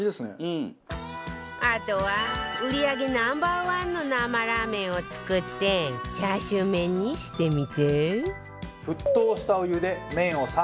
あとは売上 Ｎｏ．１ の生ラーメンを作ってチャーシュー麺にしてみて